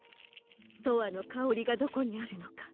「とわのかおり」がどこにあるのか